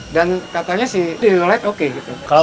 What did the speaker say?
dan katanya sih di daylight oke gitu